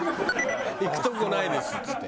「行くとこないです」っつって。